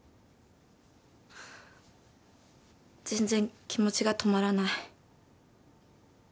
全然気持ちが止まらない。